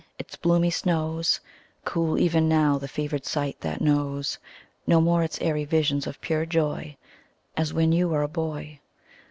Its bloomy snows Cool even now the fevered sight that knows No more its airy visions of pure joy As when you were a boy.